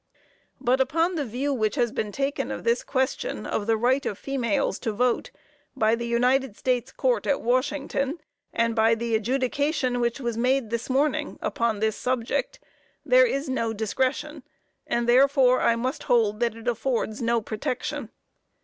But upon the view which has been taken of this question of the right of females to vote, by the United States Court at Washington, and by the adjudication which was made this morning, upon this subject there is no discretion, and therefore I must hold that it affords no protection.